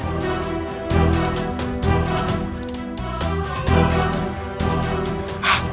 yang terima kasih pendekatnya